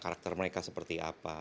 karakter mereka seperti apa